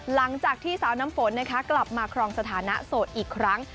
หลังจากที่สาวน้ำฝนกลับมาครองสถานะโสดอีกครั้ง